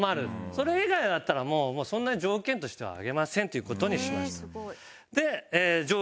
それ以外だったらもうそんなに条件としては挙げませんという事にしました。